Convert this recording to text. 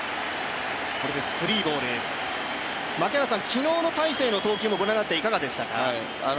昨日の大勢の投球をご覧になっていかがでしたか？